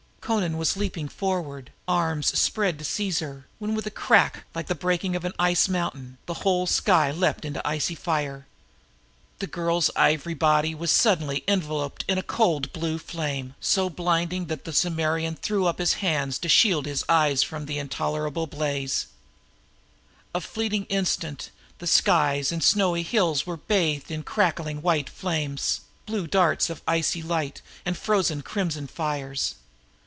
Amra was leaping forward, arms spread to seize her, when with a crack like the breaking of an ice mountain, the whole skies leaped into icy fire. The girl's ivory body was suddenly enveloped in a cold blue flame so blinding that the warrior threw up his hands to shield his eyes. A fleeting instant, skies and snowy hills were bathed in crackling white flames, blue darts of icy light, and frozen crimson fires.